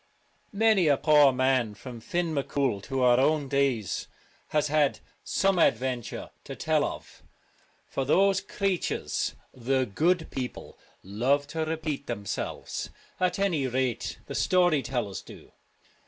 Many a poor man from Fin M'Cool to our own days has had some such adventure to tell of, for those creatures, the 'good people,' love to repeat themselves. At any rate the story tellers do.